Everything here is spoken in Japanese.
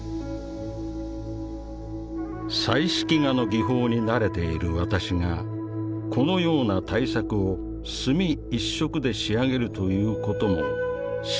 「彩色画の技法に慣れている私がこのような大作を墨一色で仕上げるということも至難の業である。